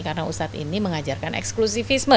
karena ustadz ini mengajarkan eksklusifisme